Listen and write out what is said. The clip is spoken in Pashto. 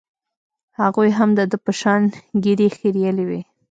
هغوى هم د ده په شان ږيرې خرييلې وې.